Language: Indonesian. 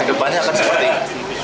ke depannya akan seperti ini